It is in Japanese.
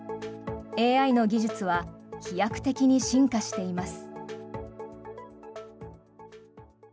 ＡＩの技術は飛躍的に進化しています。